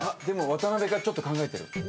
でも渡辺がちょっと考えてる。